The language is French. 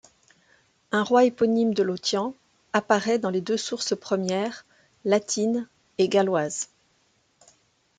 Un roi éponyme de Lothian apparaît dans les deux sources premières, latine et galloise.